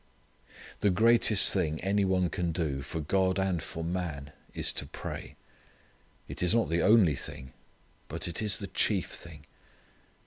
The greatest thing any one can do for God and for man is to pray. It is not the only thing. But it is the chief thing.